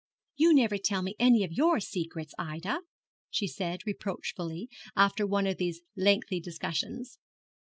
'You never tell me any of your secrets, Ida,' she said, reproachfully, after one of these lengthy discussions.